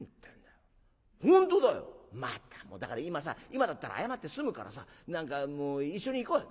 今だったら謝って済むからさ何かもう一緒に行こうよ。